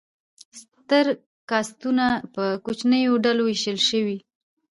ستر کاستونه په کوچنیو ډلو وویشل شول.